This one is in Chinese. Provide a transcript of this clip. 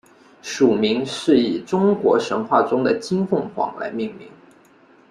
属名是以中国神话中的金凤凰来命名。